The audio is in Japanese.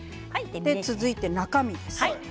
続いて中身です。